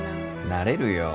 なれるよ。